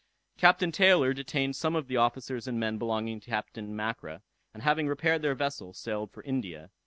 _] Captain Taylor detained some of the officers and men belonging to Captain Mackra, and having repaired their vessel, sailed for India.